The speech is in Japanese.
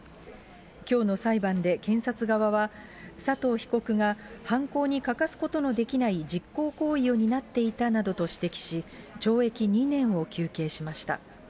きょうの裁判で検察側は、佐藤被告が犯行に欠かすことのできない実行行為を担っていたなどと指摘し、懲役２年を求刑しました。